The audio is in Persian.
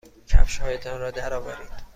کفشهایتان را درآورید.